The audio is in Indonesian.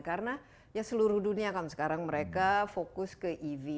karena ya seluruh dunia kan sekarang mereka fokus ke ev